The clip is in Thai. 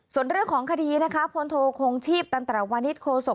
ส่วนเรื่องของคดีโทรโขงชีพตั้งแต่วัน๘โครโสก